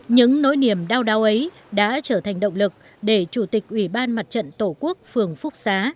những nỗi niềm đau đáu ấy đã trở thành động lực để chủ tịch ủy ban mặt trận tổ quốc phường phúc xá